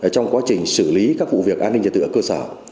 trong quá trình xử lý các vụ việc an ninh nhà tự ở cơ sở